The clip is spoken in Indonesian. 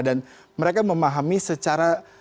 dan mereka memahami secara